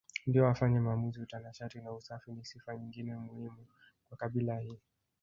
ndio wafanye maamuzi Utanashati na usafi ni sifa nyingine muhimu kwa kabila hili